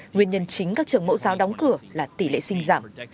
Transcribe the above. nguyên nhân chính các trường mẫu giáo đóng cửa là tỷ lệ sinh giảm